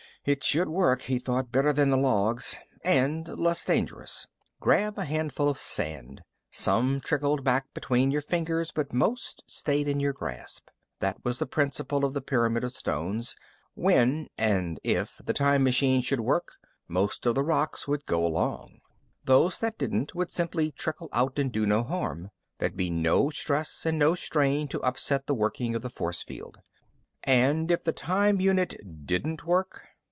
It should work, he thought, better than the logs and less dangerous. Grab a handful of sand. Some trickled back between your fingers, but most stayed in your grasp. That was the principle of the pyramid of stones. When and if the time machine should work, most of the rocks would go along. Those that didn't go would simply trickle out and do no harm. There'd be no stress or strain to upset the working of the force field. And if the time unit didn't work?